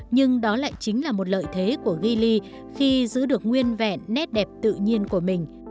nhưng đó lại chính là một lợi thế của gili khi giữ được nguyên vẹn nét đẹp tự nhiên của mình